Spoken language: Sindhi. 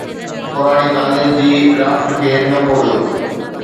پراڻي ڪاليج جي رافٽ کي نه ٻوڙيو.